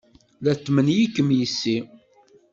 La tetmenyikem yes-i?